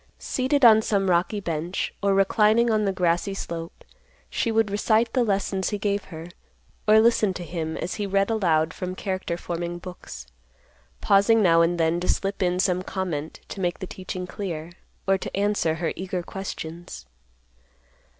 Seated on some rocky bench, or reclining on the grassy slope, she would recite the lessons he gave her, or listen to him, as he read aloud from character forming books, pausing now and then to slip in some comment to make the teaching clear, or to answer her eager questions.